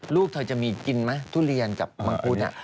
ลูกเธอจะมีกินมั้ยทุเรียนกับมังพุทธอ่ะ